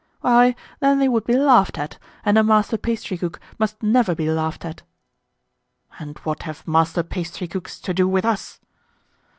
"Why, then they would be laughed at, and a master pastrycook must never be laughed at." "And what have master pastrycooks to do with us?"